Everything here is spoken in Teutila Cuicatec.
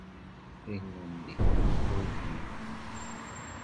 Innu ndiku kugbi.